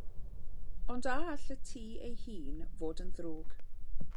Ond a all y tŷ ei hun fod yn ddrwg?